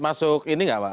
masuk ini gak mbak